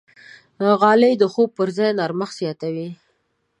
غالۍ د خوب پر ځای نرمښت زیاتوي.